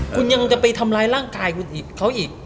คุณยังจะไปทำลายร่างกายเขาอีก